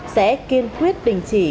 sẽ kiên quyết đình chỉ